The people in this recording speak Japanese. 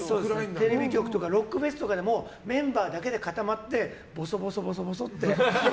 テレビ局とかロックフェスとかでもメンバーだけで固まってぼそぼそって。